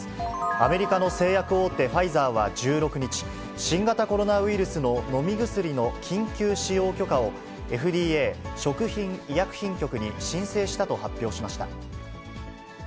アメリカの製薬大手、ファイザーは１６日、新型コロナウイルスの飲み薬の緊急使用許可を、ＦＤＡ・食品医薬品局に申請したと発表しました。